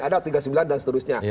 ada tiga puluh sembilan dan seterusnya